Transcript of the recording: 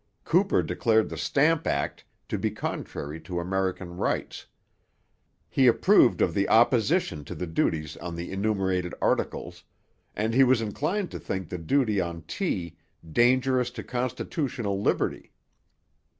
Cooper declared the Stamp Act to be contrary to American rights; he approved of the opposition to the duties on the enumerated articles; and he was inclined to think the duty on tea 'dangerous to constitutional liberty.'